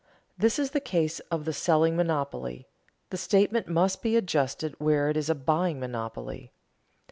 (This is the case of the selling monopoly; the statement must be adjusted where it is a buying monopoly.)